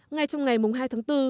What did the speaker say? ngay trong ngày mùng hai tháng bốn